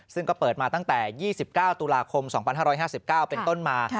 ซึ่งก็เปิดมาตั้งแต่๒๙ตุลาคม๒๕๕๙เป็นต้นมา